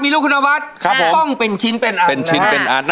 มีลูกคุณวัดครับผมต้องเป็นชิ้นเป็นอันเป็นชิ้นเป็นอัน